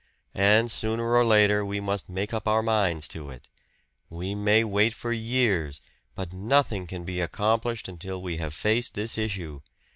And sooner or later we must make up our minds to it we may wait for years, but nothing can be accomplished until we have faced this issue.